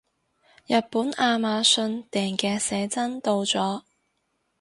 日本亞馬遜訂嘅寫真到咗